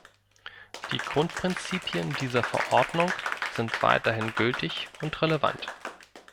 Die Grundprinzipien dieser Verordnung sind weiterhin gültig und relevant.